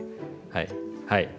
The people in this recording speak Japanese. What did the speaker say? はいはい。